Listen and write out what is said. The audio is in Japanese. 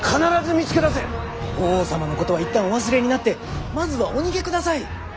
法皇様のことは一旦お忘れになってまずはお逃げください。